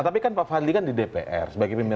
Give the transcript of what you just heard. tapi pak fadli di dpr